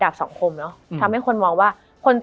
มันทำให้ชีวิตผู้มันไปไม่รอด